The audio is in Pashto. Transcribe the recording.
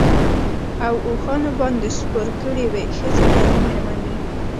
او اوښانو باندي سپور کړی وې، ښځي يعني ميرمنې